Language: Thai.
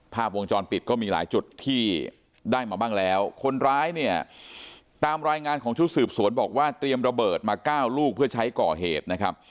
ภาพวงจรปิดก็มีหลายจุดที่ได้มาบ้างแล้วคนร้ายเนี่ยตามรายงานของชุดสืบสวนบอกว่าเตรียมระเบิดมาเก้าลูกเพื่อใช้ก่อเหตุนะครับ